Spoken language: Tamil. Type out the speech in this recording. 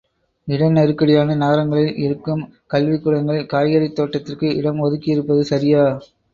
இடநெருக்கடியான நகரங்களில் இருக்கும் கல்விக்கூடங்களில் காய்கறித் தோட்டத்திற்கு இடம் ஒதுக்கியிருப்பது சரியா?